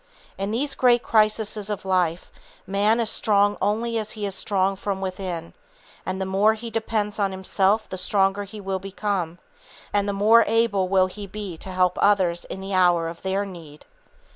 In these great crises of life, man is strong only as he is strong from within, and the more he depends on himself the stronger will he become, and the more able will he be to help others in the hour of their need.